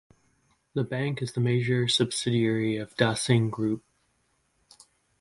The bank is the major subsidiary of Dah Sing Group.